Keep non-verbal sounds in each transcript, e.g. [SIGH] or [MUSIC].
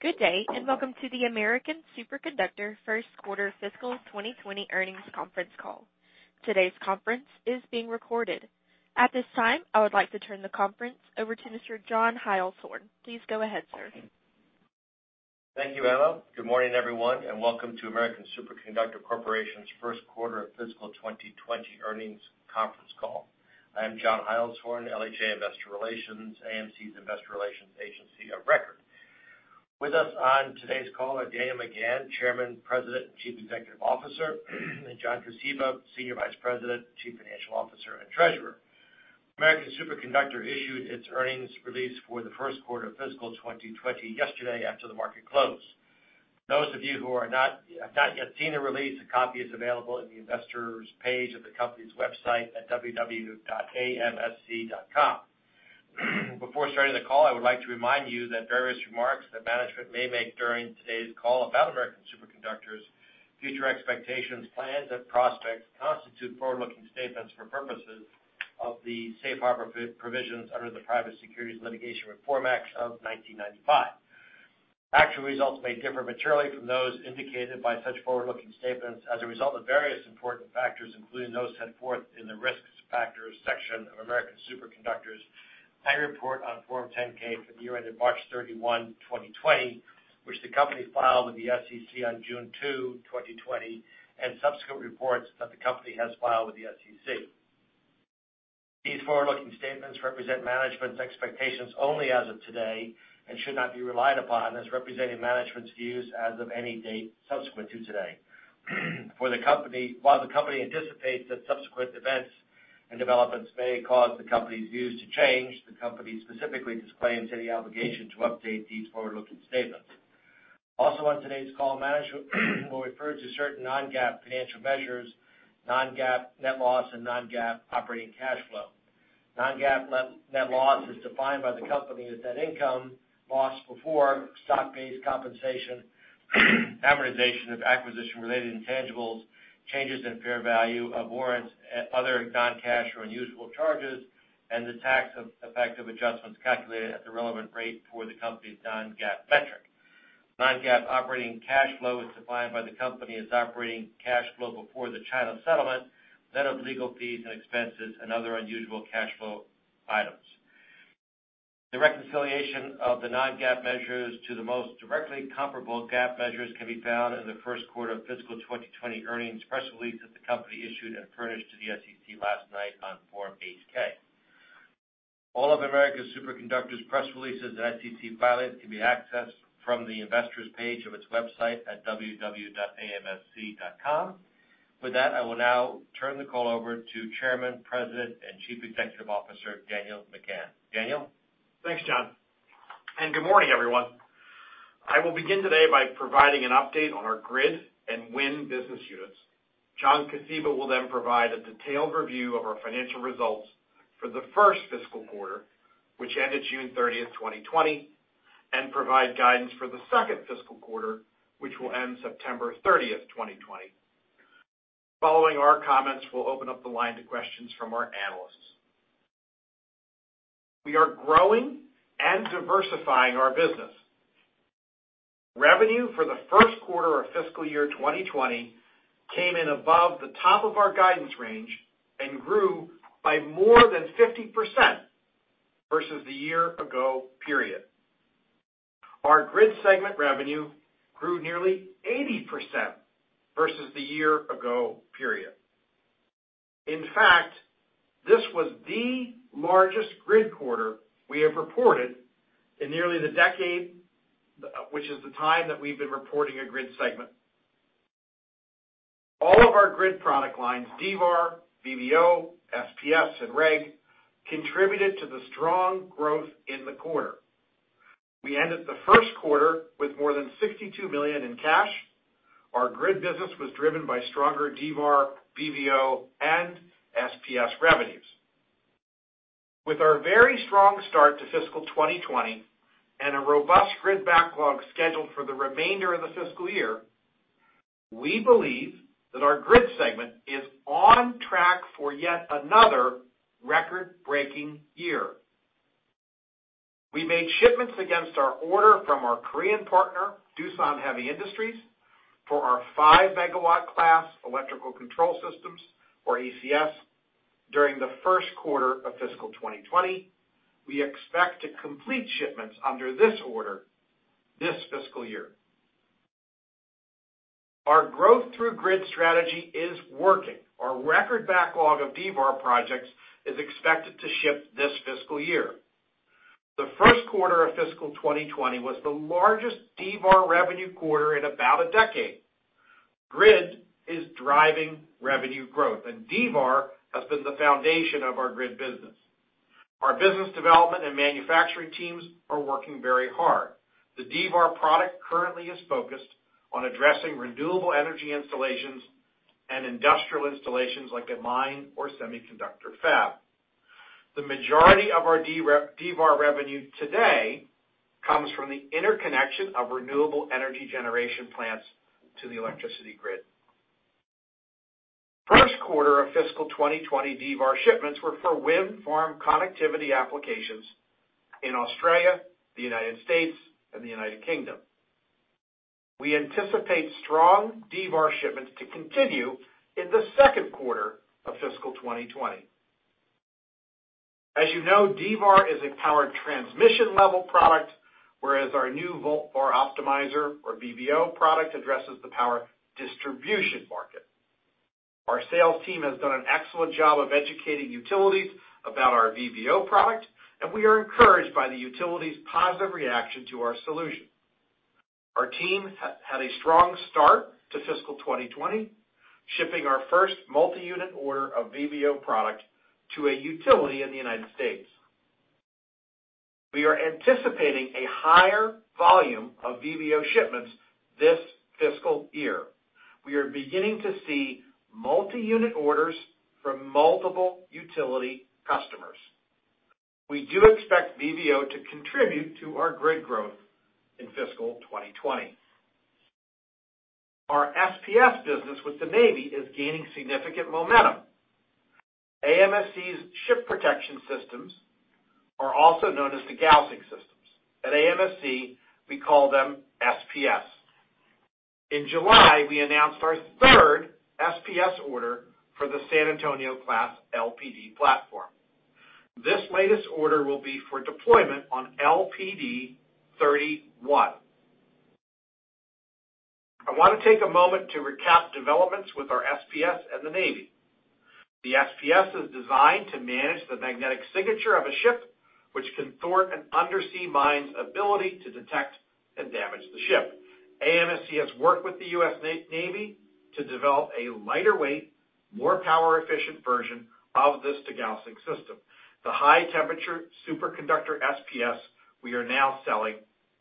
Good day, welcome to the American Superconductor first quarter fiscal 2020 earnings conference call. Today's conference is being recorded. At this time, I would like to turn the conference over to Mr. John Heilshorn. Please go ahead, sir. Thank you, Emma. Good morning, everyone, and welcome to American Superconductor Corporation's first quarter of fiscal 2020 earnings conference call. I am John Heilshorn, LHA Investor Relations, AMSC's Investor relations agency of record. With us on today's call are Dan McGahn, Chairman, President, and Chief Executive Officer, and John Kosiba, Senior Vice President, Chief Financial Officer, and Treasurer. American Superconductor issued its earnings release for the first quarter of fiscal 2020 yesterday after the market closed. Those of you who have not yet seen the release, a copy is available in the Investors page of the company's website at www.amsc.com. Before starting the call, I would like to remind you that various remarks that management may make during today's call about American Superconductor's future expectations, plans, and prospects constitute forward-looking statements for purposes of the Safe Harbor provisions under the Private Securities Litigation Reform Act of 1995. Actual results may differ materially from those indicated by such forward-looking statements as a result of various important factors, including those set forth in the Risk Factors section of American Superconductor's annual report on Form 10-K for the year ended March 31, 2020, which the company filed with the SEC on June 2, 2020, and subsequent reports that the company has filed with the SEC. These forward-looking statements represent management's expectations only as of today and should not be relied upon as representing management's views as of any date subsequent to today. While the company anticipates that subsequent events and developments may cause the company's views to change, the company specifically disclaims any obligation to update these forward-looking statements. Also on today's call, management will refer to certain non-GAAP financial measures, non-GAAP net loss, and non-GAAP operating cash flow. Non-GAAP net loss is defined by the company as net income loss before stock-based compensation, amortization of acquisition-related intangibles, changes in fair value of warrants, other non-cash or unusual charges, and the tax effective adjustments calculated at the relevant rate for the company's non-GAAP metric. Non-GAAP operating cash flow is defined by the company as operating cash flow before the China settlement, net of legal fees and expenses and other unusual cash flow items. The reconciliation of the non-GAAP measures to the most directly comparable GAAP measures can be found in the first quarter of fiscal 2020 earnings press release that the company issued and furnished to the SEC last night on Form 8-K. All of American Superconductor's press releases and SEC filings can be accessed from the Investors page of its website at www.amsc.com. With that, I will now turn the call over to Chairman, President, and Chief Executive Officer, Daniel McGahn. Daniel? Thanks, John. Good morning, everyone. I will begin today by providing an update on our Grid and Wind business units. John Kosiba will then provide a detailed review of our financial results for the first fiscal quarter, which ended June 30, 2020, and provide guidance for the second fiscal quarter, which will end September 30, 2020. Following our comments, we'll open up the line to questions from our analysts. We are growing and diversifying our business. Revenue for the first quarter of fiscal year 2020 came in above the top of our guidance range and grew by more than 50% versus the year-ago period. Our Grid segment revenue grew nearly 80% versus the year-ago period. In fact, this was the largest Grid quarter we have reported in nearly the decade, which is the time that we've been reporting a Grid segment. All of our Grid product lines, D-VAR VVO, SPS, and REG, contributed to the strong growth in the quarter. We ended the first quarter with more than $62 million in cash. Our Grid business was driven by stronger D-VAR VVO, and SPS revenues. With our very strong start to fiscal 2020 and a robust Grid backlog scheduled for the remainder of the fiscal year, we believe that our Grid segment is on track for yet another record-breaking year. We made shipments against our order from our Korean partner, Doosan Heavy Industries, for our 5-MW class Electrical Control Systems, or ECS, during the first quarter of fiscal 2020. We expect to complete shipments under this order this fiscal year. Our growth through Grid strategy is working. Our record backlog of D-VAR projects is expected to ship this fiscal year. The first quarter of fiscal 2020 was the largest D-VAR revenue quarter in about a decade. Grid is driving revenue growth, and D-VAR has been the foundation of our Grid business. Our business development and manufacturing teams are working very hard. The D-VAR product currently is focused on addressing renewable energy installations and industrial installations like a mine or semiconductor fab. The majority of our D-VAR revenue today comes from the interconnection of renewable energy generation plants to the electricity grid. First quarter of fiscal 2020 D-VAR shipments were for wind farm connectivity applications in Australia, the United States, and the United Kingdom. We anticipate strong D-VAR shipments to continue in the second quarter of fiscal 2020. As you know, D-VAR is a power transmission level product, whereas our new Volt/VAR Optimizer, or VVO product, addresses the power distribution market. Our sales team has done an excellent job of educating utilities about our VVO product, and we are encouraged by the utilities' positive reaction to our solution. Our team had a strong start to fiscal 2020, shipping our first multi-unit order of VVO product to a utility in the United States. We are anticipating a higher volume of VVO shipments this fiscal year. We are beginning to see multi-unit orders from multiple utility customers. We do expect VVO to contribute to our grid growth in fiscal 2020. Our SPS business with the Navy is gaining significant momentum. AMSC's Ship Protection Systems are also known as the degaussing systems. At AMSC, we call them SPS. In July, we announced our third SPS order for the San Antonio-class LPD platform. This latest order will be for deployment on LPD-31. I want to take a moment to recap developments with our SPS and the Navy. The SPS is designed to manage the magnetic signature of a ship, which can thwart an undersea mine's ability to detect and damage the ship. AMSC has worked with the U.S. Navy to develop a lighter weight, more power-efficient version of this degaussing system. The high-temperature superconductor SPS we are now selling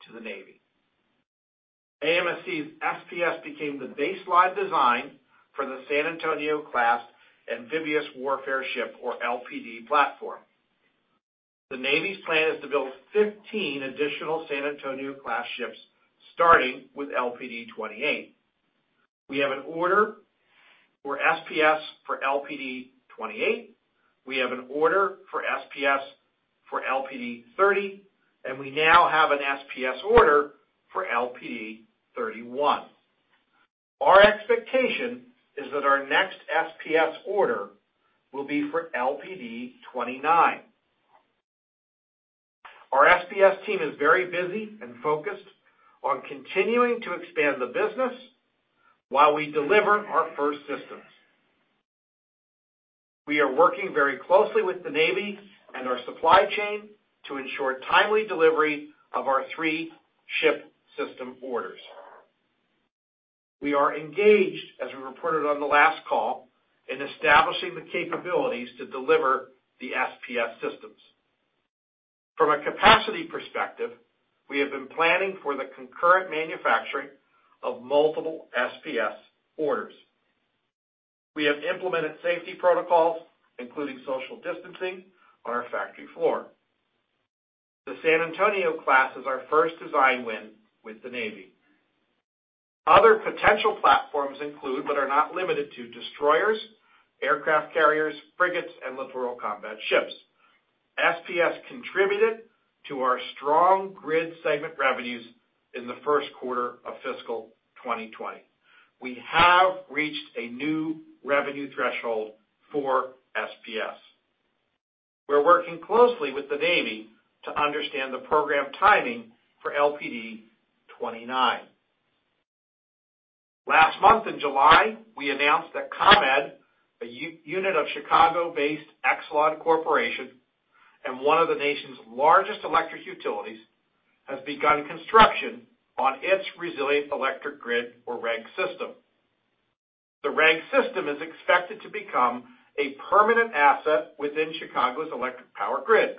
to the Navy. AMSC's SPS became the baseline design for the San Antonio-class amphibious warfare ship, or LPD platform. The Navy's plan is to build 15 additional San Antonio-class ships, starting with LPD-28. We have an order for SPS for LPD-28. We have an order for SPS for LPD-30, and we now have an SPS order for LPD-31. Our expectation is that our next SPS order will be for LPD-29. Our SPS team is very busy and focused on continuing to expand the business, while we deliver our first systems. We are working very closely with the Navy and our supply chain to ensure timely delivery of our three-ship system orders. We are engaged, as we reported on the last call, in establishing the capabilities to deliver the SPS systems. From a capacity perspective, we have been planning for the concurrent manufacturing of multiple SPS orders. We have implemented safety protocols, including social distancing, on our factory floor. The San Antonio-class is our first design win with the Navy. Other potential platforms include, but are not limited to, destroyers, aircraft carriers, frigates, and littoral combat ships. SPS contributed to our strong grid segment revenues in the first quarter of fiscal 2020. We have reached a new revenue threshold for SPS. We're working closely with the Navy to understand the program timing for LPD-29. Last month in July, we announced that ComEd, a unit of Chicago-based Exelon Corporation, and one of the nation's largest electric utilities, has begun construction on its Resilient Electric Grid, or REG system. The REG system is expected to become a permanent asset within Chicago's electric power grid.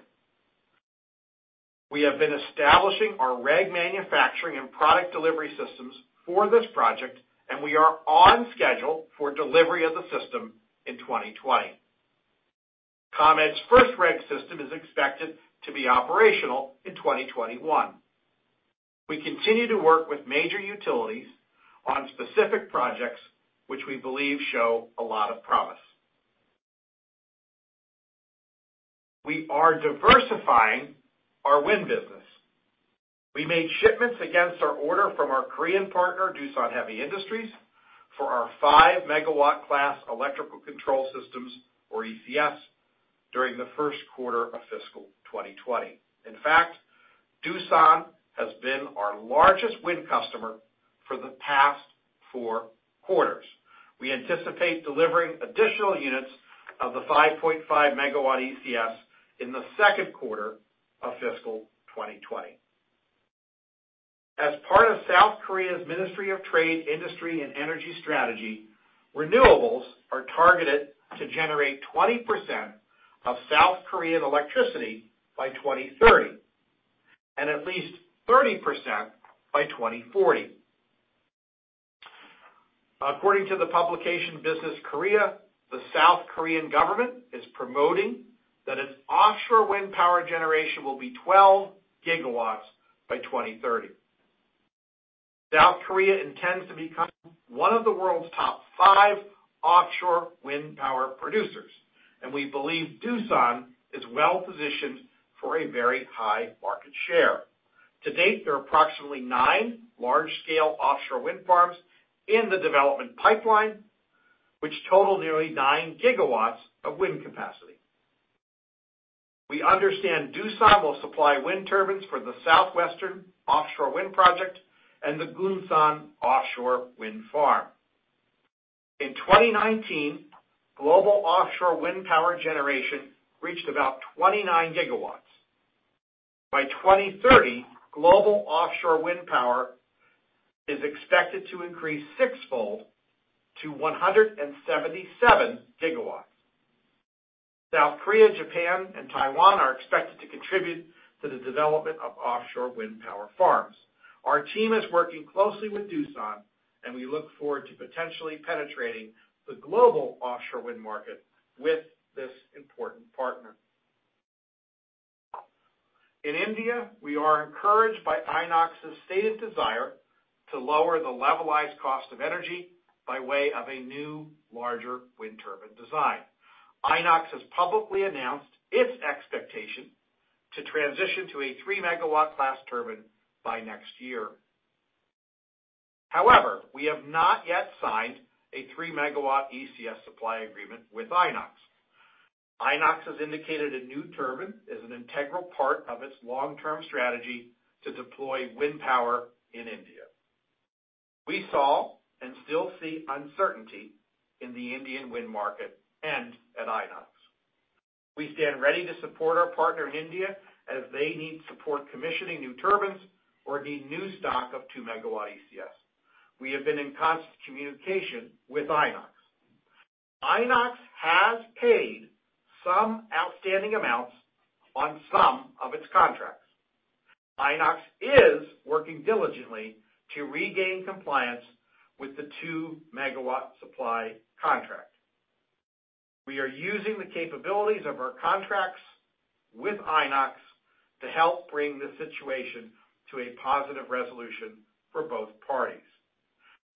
We have been establishing our REG manufacturing and product delivery systems for this project, and we are on schedule for delivery of the system in 2020. ComEd's first REG system is expected to be operational in 2021. We continue to work with major utilities on specific projects, which we believe show a lot of promise. We are diversifying our wind business. We made shipments against our order from our Korean partner, Doosan Heavy Industries, for our 5-MW class Electrical Control Systems, or ECS, during the first quarter of fiscal 2020. In fact, Doosan has been our largest wind customer for the past four quarters. We anticipate delivering additional units of the 5.5-MW ECS in the second quarter of fiscal 2020. As part of South Korea's Ministry of Trade, Industry and Energy strategy, renewables are targeted to generate 20% of South Korean electricity by 2030, and at least 30% by 2040. According to the publication, BusinessKorea, the South Korean government is promoting that its offshore wind power generation will be 12 GW by 2030. South Korea intends to become one of the world's top five offshore wind power producers, and we believe Doosan is well-positioned for a very high market share. To date, there are approximately nine large-scale offshore wind farms in the development pipeline, which total nearly 9 GW of wind capacity. We understand Doosan will supply wind turbines for the Southwestern Offshore Wind Project and the Gunsan Offshore Wind Farm. In 2019, global offshore wind power generation reached about 29 GW. By 2030, global offshore wind power is expected to increase sixfold to 177 GW. South Korea, Japan, and Taiwan are expected to contribute to the development of offshore wind power farms. Our team is working closely with Doosan, and we look forward to potentially penetrating the global offshore wind market with this important partner. In India, we are encouraged by Inox's stated desire to lower the levelized cost of energy by way of a new, larger wind turbine design. Inox has publicly announced its expectation to transition to a 3-MW class turbine by next year. However, we have not yet signed a 3-MW ECS supply agreement with Inox. Inox has indicated a new turbine as an integral part of its long-term strategy to deploy wind power in India. We saw and still see uncertainty in the Indian wind market and at Inox. We stand ready to support our partner in India as they need support commissioning new turbines or need new stock of 2-MW ECS. We have been in constant communication with Inox. Inox has paid some outstanding amounts on some of its contracts. Inox is working diligently to regain compliance with the 2-MW supply contract. We are using the capabilities of our contracts with Inox to help bring the situation to a positive resolution for both parties.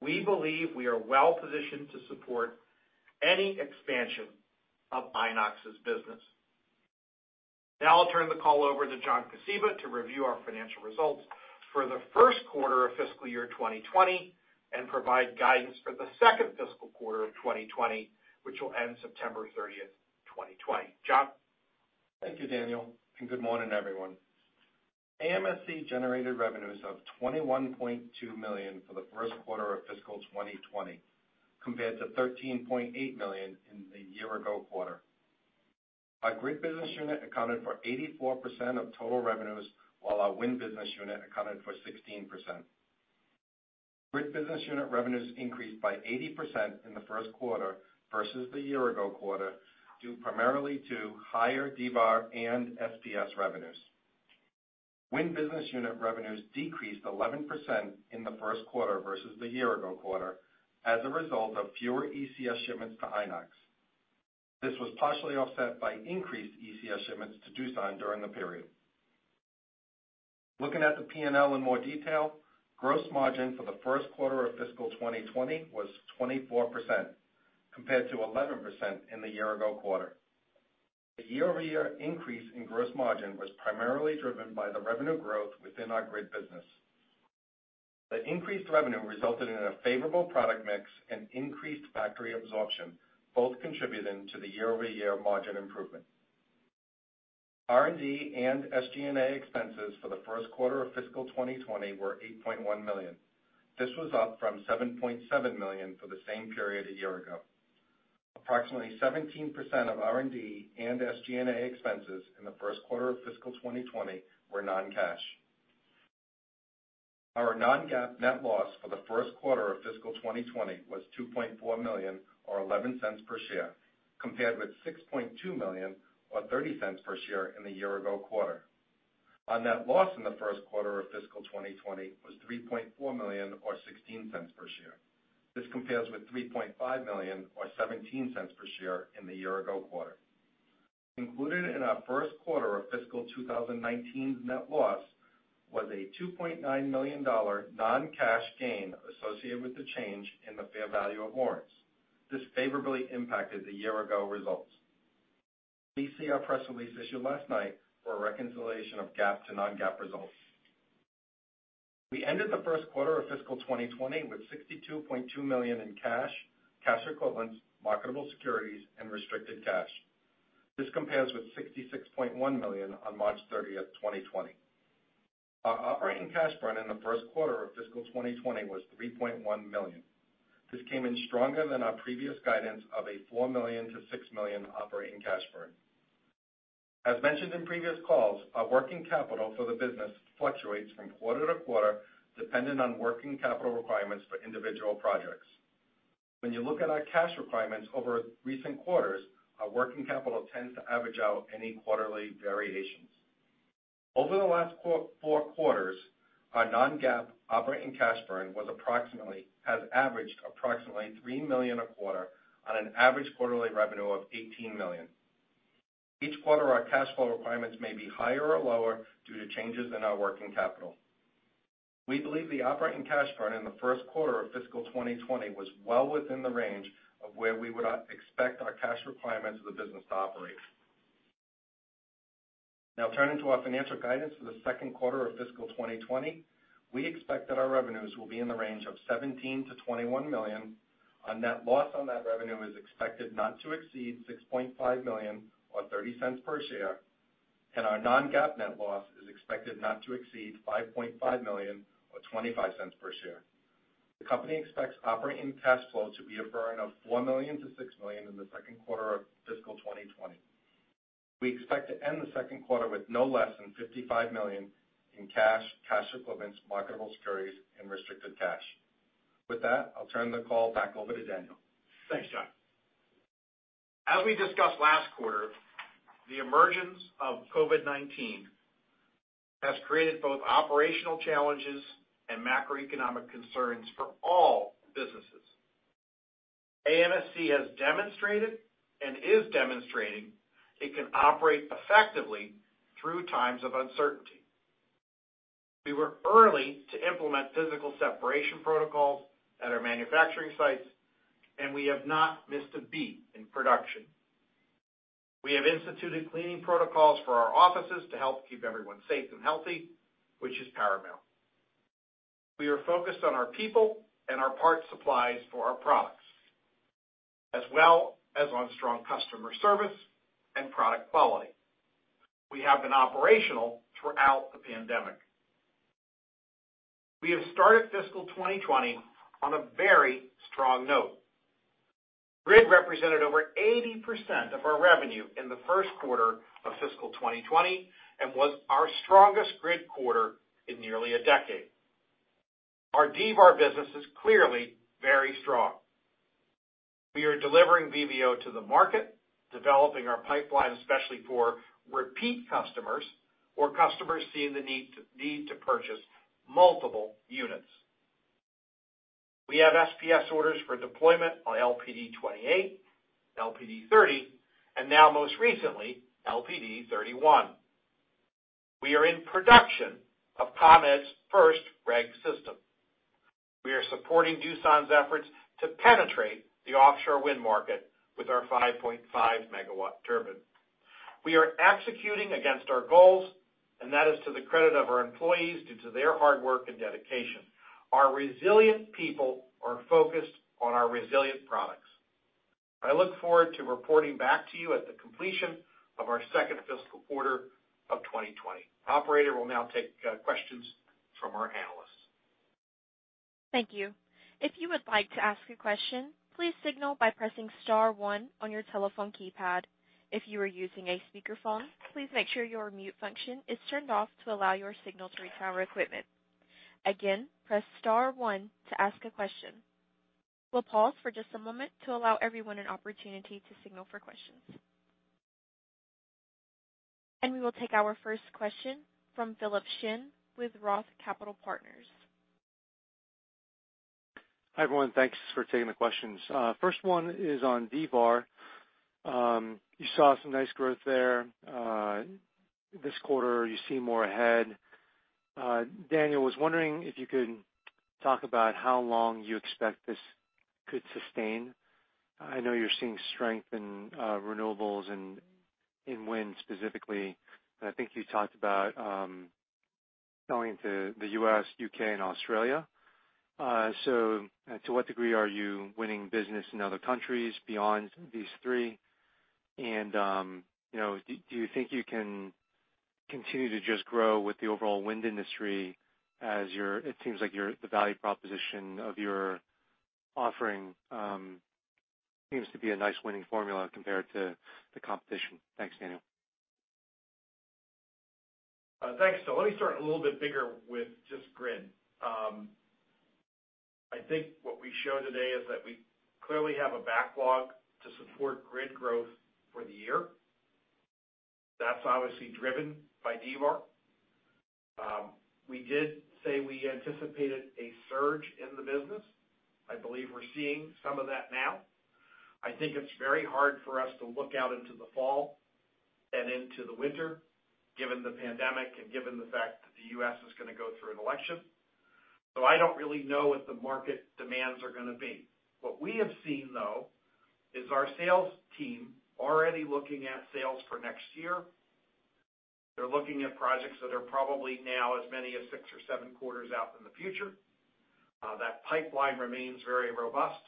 We believe we are well-positioned to support any expansion of Inox's business. Now I'll turn the call over to John Kosiba to review our financial results for the first quarter of fiscal year 2020 and provide guidance for the second fiscal quarter of 2020, which will end September 30th, 2020. John? Thank you, Daniel, and good morning, everyone. AMSC generated revenues of $21.2 million for the first quarter of fiscal 2020 compared to $13.8 million in the year-ago quarter. Our Grid business unit accounted for 84% of total revenues, while our Wind business unit accounted for 16%. Grid business unit revenues increased by 80% in the first quarter versus the year-ago quarter, due primarily to higher D-VAR and SPS revenues. Wind business unit revenues decreased 11% in the first quarter versus the year-ago quarter as a result of fewer ECS shipments to Inox. This was partially offset by increased ECS shipments to Doosan during the period. Looking at the P&L in more detail, gross margin for the first quarter of fiscal 2020 was 24% compared to 11% in the year-ago quarter. The year-over-year increase in gross margin was primarily driven by the revenue growth within our Grid business. The increased revenue resulted in a favorable product mix and increased factory absorption, both contributing to the year-over-year margin improvement. R&D and SG&A expenses for the first quarter of fiscal 2020 were $8.1 million. This was up from $7.7 million for the same period a year ago. Approximately 17% of R&D and SG&A expenses in the first quarter of fiscal 2020 were non-cash. Our non-GAAP net loss for the first quarter of fiscal 2020 was $2.4 million, or 0.11 per share, compared with $6.2 million or 0.30 per share in the year-ago quarter. On that loss in the first quarter of fiscal 2020 was $3.4 million or 0.16 per share. This compares with $3.5 million or 0.17 per share in the year-ago quarter. Included in our first quarter of fiscal 2019's net loss was a $2.9 million non-cash gain associated with the change in the fair value of warrants. This favorably impacted the year-ago results. Please see our press release issued last night for a reconciliation of GAAP to non-GAAP results. We ended the first quarter of fiscal 2020 with $62.2 million in cash equivalents, marketable securities, and restricted cash. This compares with $66.1 million on March 30th, 2020. Our operating cash burn in the first quarter of fiscal 2020 was $3.1 million. This came in stronger than our previous guidance of a $4 million-6 million operating cash burn. As mentioned in previous calls, our working capital for the business fluctuates from quarter to quarter, dependent on working capital requirements for individual projects. When you look at our cash requirements over recent quarters, our working capital tends to average out any quarterly variations. Over the last four quarters, our non-GAAP operating cash burn has averaged approximately $3 million a quarter on an average quarterly revenue of $18 million. Each quarter, our cash flow requirements may be higher or lower due to changes in our working capital. We believe the operating cash burn in the first quarter of fiscal 2020 was well within the range of where we would expect our cash requirements of the business to operate. Now turning to our financial guidance for the second quarter of fiscal 2020. We expect that our revenues will be in the range of $17 million-21 million. Our net loss on that revenue is expected not to exceed $6.5 million or 0.30 per share, and our non-GAAP net loss is expected not to exceed $5.5 million or 0.25 per share. The company expects operating cash flow to be a burn of $4 million-6 million in the second quarter of fiscal 2020. We expect to end the second quarter with no less than $55 million in cash equivalents, marketable securities, and restricted cash. With that, I'll turn the call back over to Daniel. Thanks, John. As we discussed last quarter, the emergence of COVID-19 has created both operational challenges and macroeconomic concerns for all businesses. AMSC has demonstrated and is demonstrating it can operate effectively through times of uncertainty. We were early to implement physical separation protocols at our manufacturing sites, and we have not missed a beat in production. We have instituted cleaning protocols for our offices to help keep everyone safe and healthy, which is paramount. We are focused on our people and our parts supplies for our products, as well as on strong customer service and product quality. We have been operational throughout the pandemic. We have started fiscal 2020 on a very strong note. Grid represented over 80% of our revenue in the first quarter of fiscal 2020 and was our strongest grid quarter in nearly a decade. Our D-VAR business is clearly very strong. We are delivering VVO to the market, developing our pipeline, especially for repeat customers or customers seeing the need to purchase multiple units. We have SPS orders for deployment on LPD-28, LPD-30, and now most recently, LPD-31. We are in production of ComEd's first REG system. We are supporting Doosan's efforts to penetrate the offshore wind market with our 5.5-MW turbine. We are executing against our goals, and that is to the credit of our employees due to their hard work and dedication. Our resilient people are focused on our resilient products. I look forward to reporting back to you at the completion of our second fiscal quarter of 2020. Operator, we'll now take questions from our analysts. Thank you. If you would like to ask a question, please signal by pressing star one on your telephone keypad. If you are using a speakerphone, please make sure your mute function is turned off to allow your signal to reach our equipment. Again, press star one to ask a question. We will pause for just a moment to allow everyone an opportunity to signal for questions. We will take our first question from Philip Shen with ROTH Capital Partners. Hi, everyone. Thanks for taking the questions. First one is on D-VAR. You saw some nice growth there. This quarter, you see more ahead. Daniel, was wondering if you can talk about how long you expect this could sustain. I know you're seeing strength in renewables and in wind specifically, but I think you talked about going to the U.S., U.K., and Australia. So, to what degree are you winning business in other countries beyond these three? Do you think you can continue to just grow with the overall wind industry as it seems like the value proposition of your offering seems to be a nice winning formula compared to the competition. Thanks, Daniel. Thanks, Phil. Let me start a little bit bigger with just Grid. I think what we show today is that we clearly have a backlog to support Grid growth for the year. That's obviously driven by D-VAR. We did say we anticipated a surge in the business. I believe we're seeing some of that now. I think it's very hard for us to look out into the fall and into the winter, given the pandemic and given the fact that the U.S. is going to go through an election. I don't really know what the market demands are going to be. What we have seen, though, is our sales team already looking at sales for next year. They're looking at projects that are probably now as many as six or seven quarters out in the future. That pipeline remains very robust,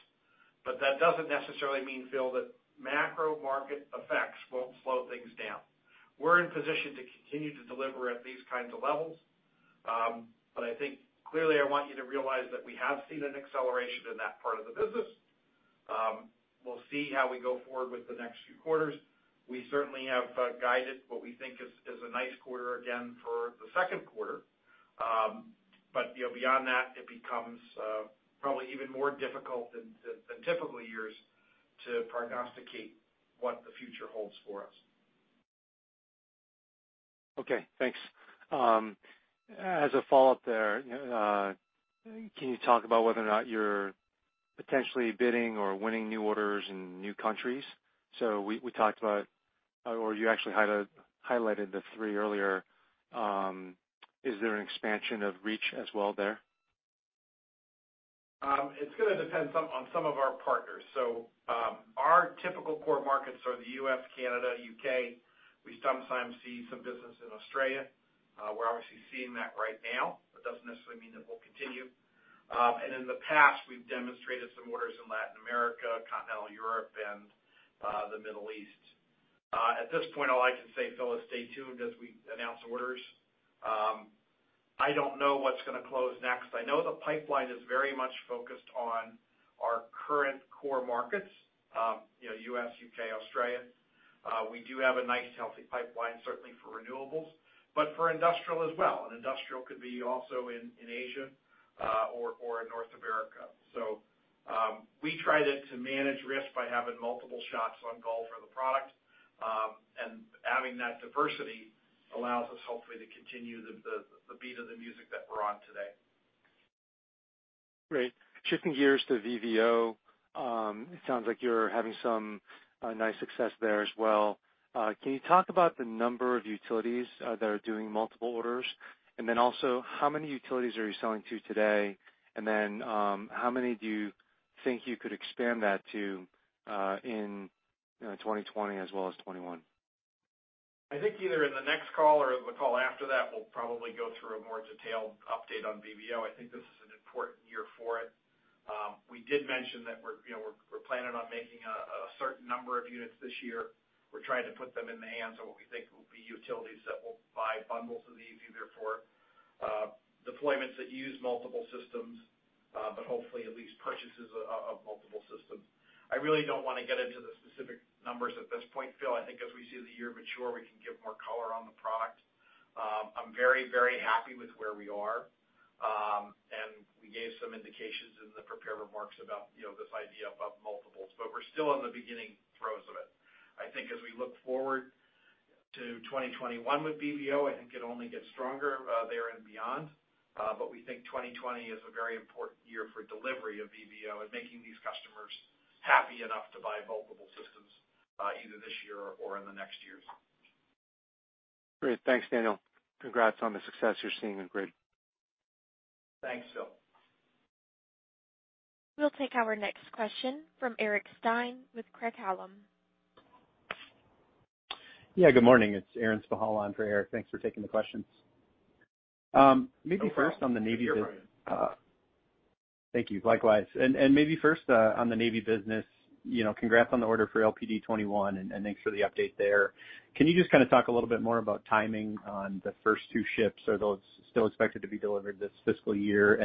that doesn't necessarily mean, Philip, that macro market effects won't slow things down. We're in position to continue to deliver at these kinds of levels. I think clearly I want you to realize that we have seen an acceleration in that part of the business. We'll see how we go forward with the next few quarters. We certainly have guided what we think is a nice quarter again for the second quarter. Beyond that, it becomes probably even more difficult than typical years to prognosticate what the future holds for us. Okay, thanks. As a follow-up there, can you talk about whether or not you're potentially bidding or winning new orders in new countries? We talked about, or you actually highlighted the three earlier. Is there an expansion of reach as well there? It's going to depend on some of our partners. Our typical core markets are the U.S., Canada, U.K. We sometimes see some business in Australia. We're obviously seeing that right now, but doesn't necessarily mean it will continue. In the past, we've demonstrated some orders in Latin America, continental Europe, and the Middle East. At this point, all I can say, Phillip, is stay tuned as we announce orders. I don't know what's going to close next. I know the pipeline is very much focused on our current core markets. U.S., U.K., Australia. We do have a nice, healthy pipeline, certainly for renewables, but for industrial as well. Industrial could be also in Asia or in North America. So, we try to manage risk by having multiple shots on goal for the product, and having that diversity allows us, hopefully, to continue the beat of the music that we're on today. Great. Shifting gears to VVO, it sounds like you're having some nice success there as well. Can you talk about the number of utilities that are doing multiple orders? How many utilities are you selling to today? How many do you think you could expand that to in 2020 as well as 2021? I think either in the next call or the call after that, we'll probably go through a more detailed update on VVO. I think this is an important year for it. We did mention that we're planning on making a certain number of units this year. We're trying to put them in the hands of what we think will be utilities that will buy bundles of these, either for deployments that use multiple systems, but hopefully at least purchases of multiple systems. I really don't want to get into the specific numbers at this point, Phil. I think as we see the year mature, we can give more color on the product. I'm very, very happy with where we are. We gave some indications in the prepared remarks about this idea of multiples. We're still in the beginning throes of it. I think as we look forward to 2021 with VVO, I think it only gets stronger there and beyond. We think 2020 is a very important year for delivery of VVO and making these customers happy enough to buy multiple systems, either this year or in the next years. Great. Thanks, Daniel. Congrats on the success you're seeing in grid. Thanks, Phil. We'll take our next question from Eric Stine with Craig-Hallum. Good morning. It's Aaron Spychalla on for Eric. Thanks for taking the questions. No problem. [AUDIO DISTORTION] Thank you, likewise. Maybe first on the Navy business, congrats on the order for LPD 31, and thanks for the update there. Can you just kind of talk a little bit more about timing on the first two ships? Are those still expected to be delivered this fiscal year?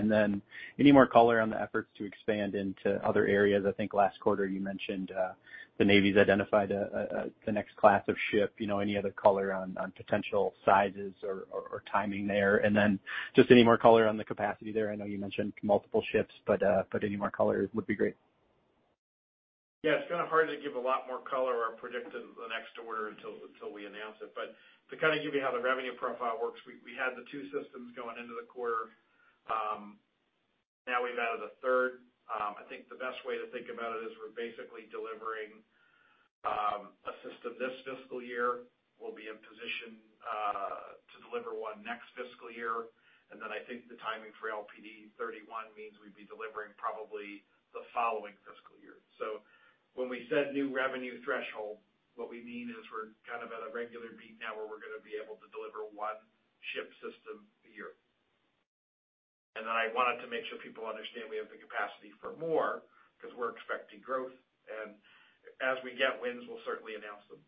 Any more color on the efforts to expand into other areas? I think last quarter you mentioned the Navy's identified the next class of ship. Any other color on potential sizes or timing there? Just any more color on the capacity there. I know you mentioned multiple ships, any more color would be great. Yeah, it's kind of hard to give a lot more color or predict the next order until we announce it. To kind of give you how the revenue profile works, we had the two systems going into the quarter. Now we've added a third. I think the best way to think about it is we're basically delivering a system this fiscal year. We'll be in position to deliver one next fiscal year. Then I think the timing for LPD 31 means we'd be delivering probably the following fiscal year. When we said new revenue threshold, what we mean is we're kind of at a regular beat now where we're going to be able to deliver one ship system a year. And I wanted to make sure people understand we have the capacity for more because we're expecting growth, and as we get wins, we'll certainly announce them.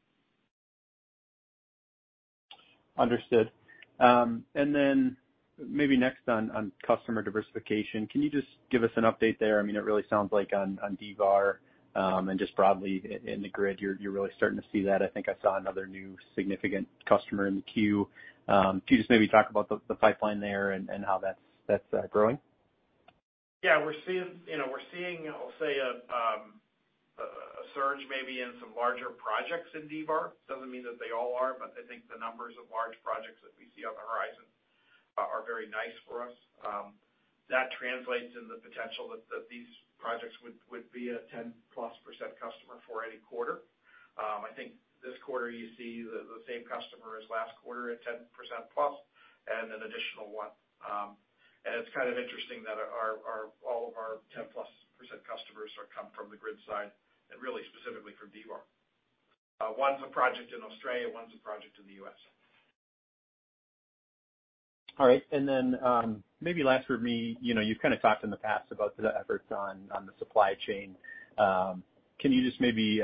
Understood. Then maybe next on customer diversification, can you just give us an update there? It really sounds like on D-VAR, and just broadly in the grid, you're really starting to see that. I think I saw another new significant customer in the queue. Can you just maybe talk about the pipeline there and how that's growing? Yeah. We're seeing, you know, we're seeing, I'll say, a surge maybe in some larger projects in D-VAR. Doesn't mean that they all are, I think the numbers of large projects that we see on the horizon are very nice for us. That translates into the potential that these projects would be a 10+% customer for any quarter. I think this quarter you see the same customer as last quarter at 10+% and an additional one. It's kind of interesting that all of our 10+% customers come from the grid side and really specifically from D-VAR. One's a project in Australia, one's a project in the U.S. All right. Maybe last for me, you've kind of talked in the past about the efforts on the supply chain. Can you just maybe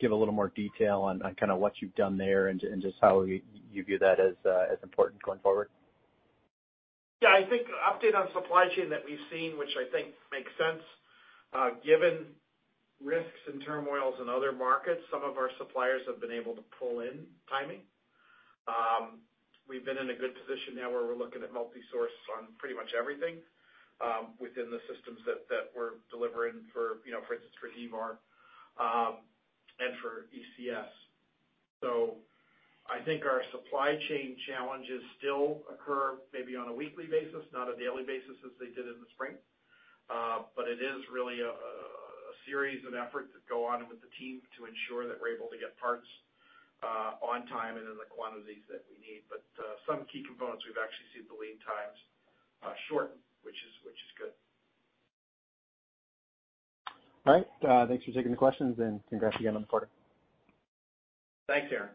give a little more detail on what you've done there and just how you view that as important going forward? I think update on supply chain that we've seen, which I think makes sense given risks and turmoils in other markets, some of our suppliers have been able to pull in timing. We've been in a good position now where we're looking at multi-source on pretty much everything within the systems that we're delivering, for instance, for D-VAR and for ECS. I think our supply chain challenges still occur maybe on a weekly basis, not a daily basis as they did in the spring. It is really a series of efforts that go on with the team to ensure that we're able to get parts on time and in the quantities that we need. Some key components, we've actually seen the lead times shorten, which is good. All right. Thanks for taking the questions and congrats again on the quarter. Thanks, Aaron.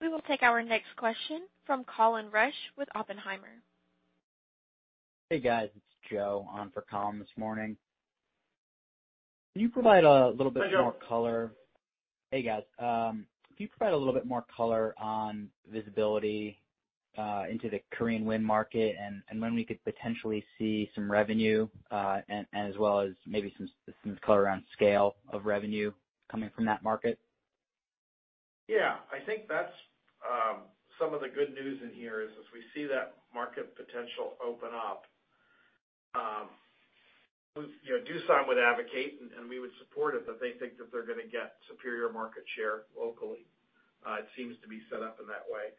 We will take our next question from Colin Rusch with Oppenheimer. Hey, guys. It's Joe on for Colin this morning. Can you provide a little bit more color? Hi, Joe. Hey, guys. Can you provide a little bit more color on visibility into the Korean wind market and when we could potentially see some revenue, as well as maybe some color around scale of revenue coming from that market? Yeah. I think that's some of the good news in here is, as we see that market potential open up, Doosan would advocate, and we would support it, that they think that they're going to get superior market share locally. It seems to be set up in that way.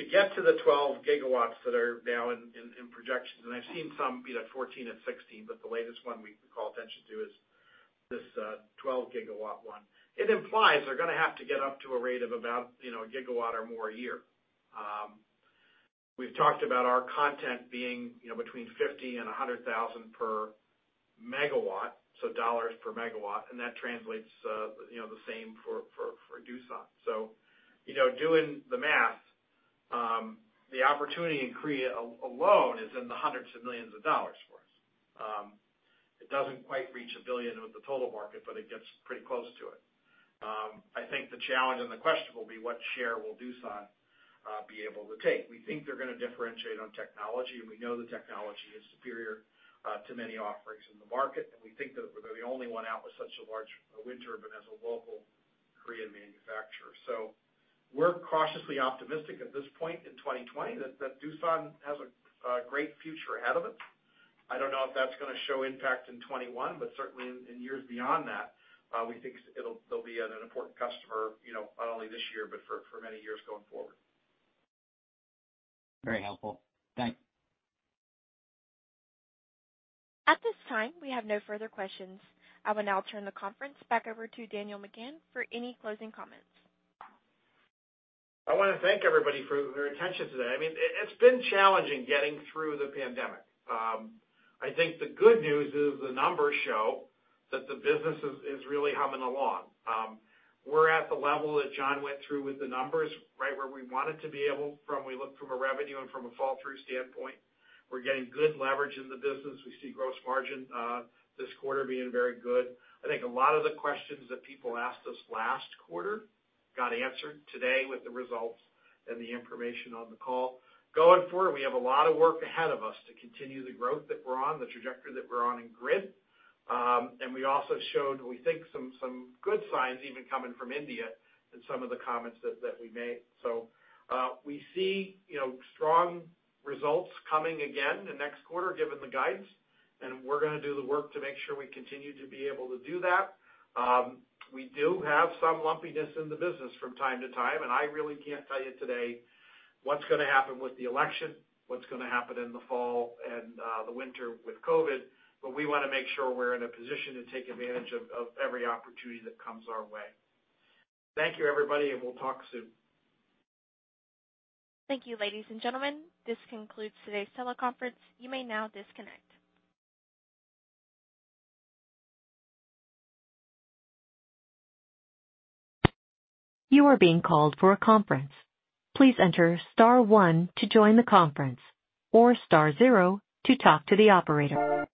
To get to the 12 GW that are now in projection, and I've seen some be at 14 GW and 16 GW, but the latest one we call attention to is this 12-GW one. It implies they're going to have to get up to a rate of about a gigawatt or more a year. We've talked about our content being between $50,000 and 100,000 per megawatt, so dollars per megawatt, and that translates the same for Doosan. Doing the math, the opportunity in Korea alone is in the hundreds of millions of dollars for us. It doesn't quite reach a billion with the total market, but it gets pretty close to it. I think the challenge and the question will be what share will Doosan be able to take? We think they're going to differentiate on technology, and we know the technology is superior to many offerings in the market, and we think that they're the only one out with such a large wind turbine as a local Korean manufacturer. We're cautiously optimistic at this point in 2020 that Doosan has a great future ahead of it. I don't know if that's going to show impact in 2021, but certainly in years beyond that, we think they'll be an important customer, not only this year, but for many years going forward. Very helpful. Thanks. At this time, we have no further questions. I will now turn the conference back over to Daniel McGahn for any closing comments. I want to thank everybody for their attention today. It's been challenging getting through the pandemic. I think the good news is the numbers show that the business is really humming along. We're at the level that John went through with the numbers, right where we wanted to be from we look from a revenue and from a fall-through standpoint. We're getting good leverage in the business. We see gross margin this quarter being very good. I think a lot of the questions that people asked us last quarter got answered today with the results and the information on the call. Going forward, we have a lot of work ahead of us to continue the growth that we're on, the trajectory that we're on in grid. We also showed, we think, some good signs even coming from India in some of the comments that we made. So, we see strong results coming again the next quarter, given the guidance. We're going to do the work to make sure we continue to be able to do that. We do have some lumpiness in the business from time to time. I really can't tell you today what's going to happen with the election, what's going to happen in the fall and the winter with COVID. We want to make sure we're in a position to take advantage of every opportunity that comes our way. Thank you, everybody. We'll talk soon. Thank you, ladies and gentlemen. This concludes today's teleconference. You may now disconnect. You are being called for a conference. Please enter star one to join the conference or star zero to talk to the operator.